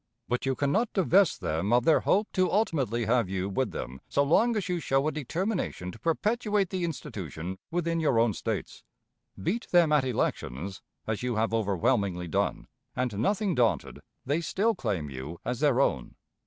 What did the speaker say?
But you can not divest them of their hope to ultimately have you with them so long as you show a determination to perpetuate the institution within your own States. Beat them at elections as you have overwhelmingly done, and, nothing daunted, they still claim you as their own.